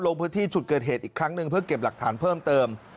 ลงพื้นที่จุดเกิดเหตุอีกครั้งหนึ่งเพื่อเก็บหลักฐานเพิ่มเติม